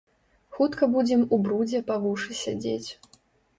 Хутка будзем у брудзе па вушы сядзець.